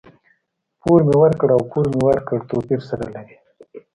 پور مي ورکړ او پور مې ورکړ؛ توپير سره لري.